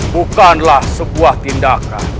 bukanlah sebuah tindakan